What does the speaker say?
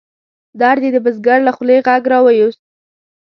درد یې د بزګر له خولې غږ را ویوست.